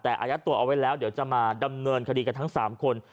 แต่อายัดตัวเอาไว้แล้วเดี๋ยวจะมาดำเนินคดีกันทั้ง๓คน